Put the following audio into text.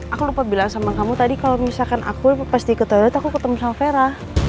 aku lupa bilang sama kamu tadi kalau misalkan aku pas diketahui aku ketemu sama vera